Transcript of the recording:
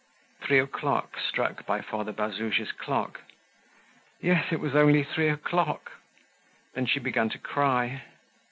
Three o'clock struck by father Bazouge's clock. Yes, it was only three o'clock. Then she began to cry.